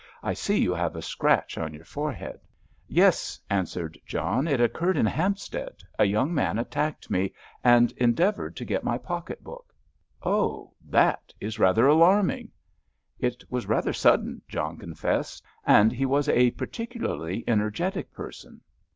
"I see you have a scratch on your forehead." "Yes," answered John. "It occurred in Hampstead; a young man attacked me and endeavoured to get my pocket book!" "Oh, that is rather alarming!" "It was rather sudden," John confessed, "and he was a particularly energetic person."